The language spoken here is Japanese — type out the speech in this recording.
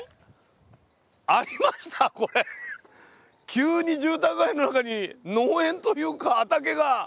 急に住宅街の中に農園というか畑が。